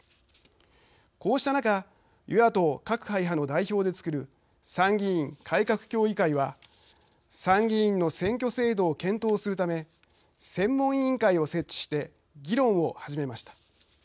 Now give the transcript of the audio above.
こうした中与野党各会派の代表でつくる参議院改革協議会は参議院の選挙制度を検討するため専門委員会を設置して議論を始めました。